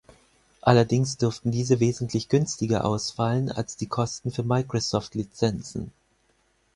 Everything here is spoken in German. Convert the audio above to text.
Allerdings dürften diese wesentlich günstiger ausfallen als die Kosten für Microsoft-Lizenzen.